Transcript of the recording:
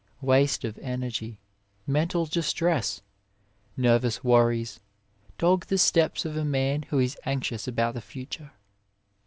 Waste of energy, mental dis tress, nervous worries dog the steps of a man who is anxious about the future.